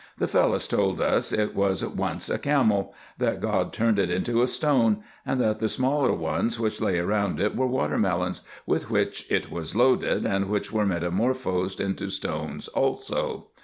The Fellahs told us it was once a camel; that God turned it into a stone; and that the smaller ones which lay round it were water melons, with which it was IN EGYPT, NUBIA, &c. 143 loaded, and which were metamorphosed into stones also.